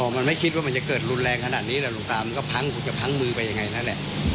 มันไม่คิดว่ามันจะเกิดรุนแรงขนาดนี้แต่หลวงตามันก็พังกูจะพังมือไปยังไงนั่นแหละ